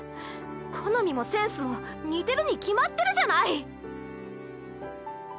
好みもセンスも似てるに決まってるじゃない！